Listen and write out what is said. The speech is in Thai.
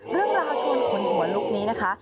เรื่องราวชวนขนหัวลุกนี้นะคะ